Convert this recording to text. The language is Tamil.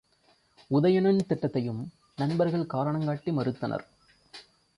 உதயணன் திட்டத்தையும் நண்பர்கள் காரணங் காட்டி மறுத்தனர்.